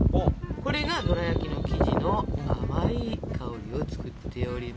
これがドラやきの生地の甘い香りを作っております。